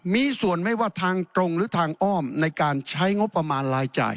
มีส่วนไม่ว่าทางตรงหรือทางอ้อมในการใช้งบประมาณรายจ่าย